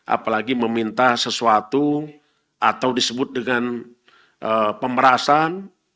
apalagi meminta sesuatu atau disebut dengan pemerasan